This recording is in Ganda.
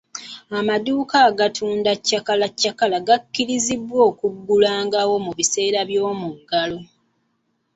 Amaduuka agatunda chakalachakala gakkirizibwa okuggulangawo mu biseera by'omuggalo.